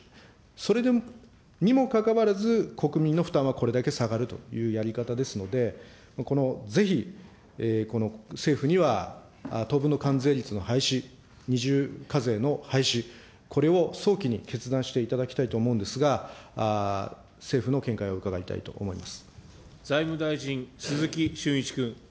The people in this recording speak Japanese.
それにもかかわらず、国民の負担はこれだけ下がるというやり方ですので、このぜひ、この政府には、当分の関税率の廃止、二重課税の廃止、これを早期に決断していただきたいと思うんですが、財務大臣、鈴木俊一君。